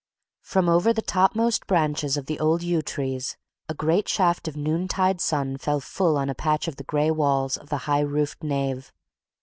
From over the topmost branches of the old yew trees a great shaft of noontide sunlight fell full on a patch of the grey walls of the high roofed nave.